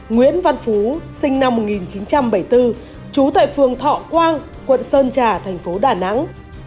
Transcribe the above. nguyễn văn phú sinh năm một nghìn chín trăm bảy mươi bốn trú tại phường thọ quang quận sơn trà thành phố đà nẵng